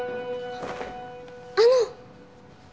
あの！